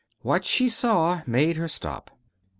What she saw made her stop.